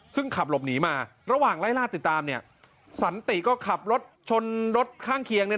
ซึ่งขับหลบหนีมาระหว่างไล่ลาดติดตามสศก็ขับรถชนรถข้างเคียง